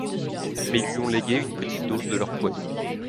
Mais ils lui ont légué une petite dose de leur poison.